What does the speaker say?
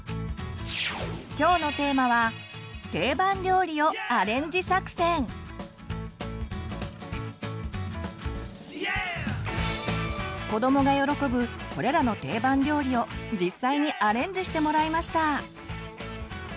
きょうのテーマは子どもが喜ぶこれらの定番料理を実際にアレンジしてもらいました。